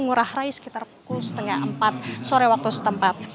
ngurah rai sekitar pukul setengah empat sore waktu setempat